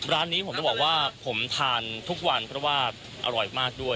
ร้านนี้ผมจะบอกว่าผมทานทุกวันเพราะว่าอร่อยมากด้วย